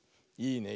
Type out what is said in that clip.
いいね。